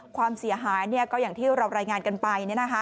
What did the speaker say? ความเสียหายก็อย่างที่เรารายงานกันไป